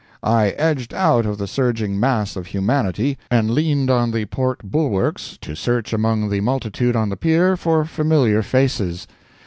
I edged out of the surging mass of humanity and leaned on the port bulwarks, to search among the multitude on the pier for familiar faces.